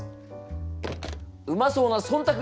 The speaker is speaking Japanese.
うまそうな「忖度」